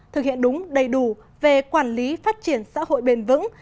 thực hiện đúng đầy đủ về quản lý phát triển xã hội bền vững